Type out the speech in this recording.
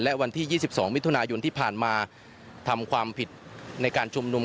และวันที่๒๒มิถุนายนที่ผ่านมาทำความผิดในการชุมนุม